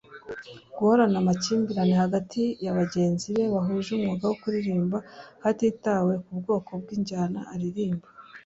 Guhorana amakimbirane hagati ya bagenzi be bahuje umwuga wo kuririmba hatitawe ku bwoko bw’ injyana aririmba